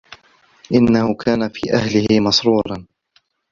إِنَّهُ كانَ في أَهلِهِ مَسرورًا